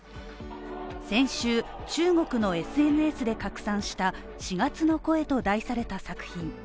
先週、中国のＳＮＳで拡散した「四月の声」と題された作品。